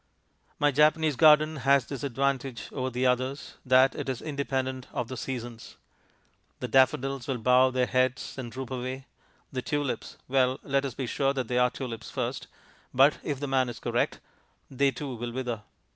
My Japanese garden has this advantage over the others, that it is independent of the seasons. The daffodils will bow their heads and droop away. The tulips well, let us be sure that they are tulips first; but, if the man is correct, they too will wither.